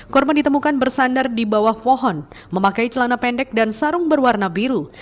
korban ditemukan bersandar di bawah pohon memakai celana pendek dan sarung berwarna biru